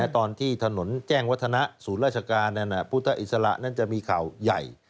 ตอนที่ถนนแจ้งวัฒนะศูนย์ราชการนั้นพุทธอิสระนั้นจะมีข่าวใหญ่